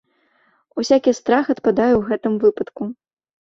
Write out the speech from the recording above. Усякі страх адпадае ў гэтым выпадку.